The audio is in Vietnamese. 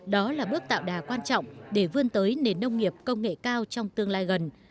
đó là bước tạo đà quan trọng để vươn tới nền nông nghiệp công nghệ cao trong tương lai gần